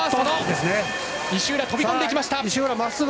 石浦、飛び込んでいきました！